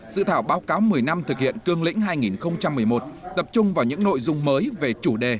dự thảo báo cáo một mươi năm thực hiện cương lĩnh hai nghìn một mươi một tập trung vào những nội dung mới về chủ đề